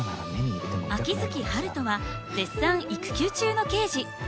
秋月春風は絶賛育休中の刑事。